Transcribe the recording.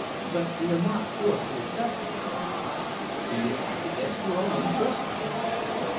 "But we are not forced to accept them." "Do you act against your own interests?"